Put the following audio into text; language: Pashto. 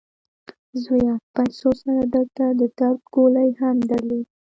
زویه! پیسو سره درته د درد ګولۍ هم درلیږم.